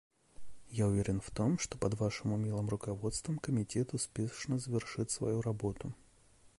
Я уверен в том, что под Вашим умелым руководством Комитет успешно завершит свою работу.